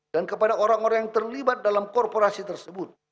dan kepada orang orang yang terlibat dalam korporasi tersebut